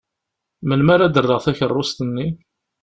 Melmi ara d-rreɣ takeṛṛust-nni?